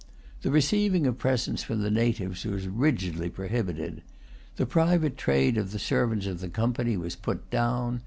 The receiving of presents from the natives was rigidly prohibited. The private trade of the servants of the Company was put down.